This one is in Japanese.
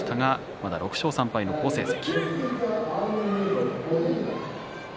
まだ６勝３敗の好成績。